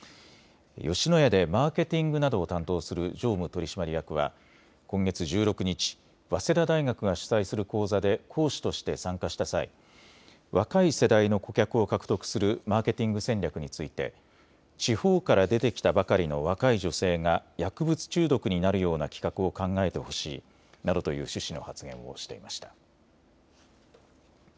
吉野家でマーケティングなどを担当する常務取締役は今月１６日、早稲田大学が主催する講座で講師として参加した際、若い世代の顧客を獲得するマーケティング戦略について地方から出てきたばかりの若い女性が薬物中毒になるような企画を考えてほしいなどという趣旨の発言をしていました。